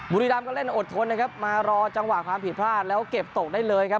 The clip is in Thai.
บุรีรำก็เล่นอดทนนะครับมารอจังหวะความผิดพลาดแล้วเก็บตกได้เลยครับ